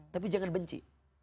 tapi jangan benci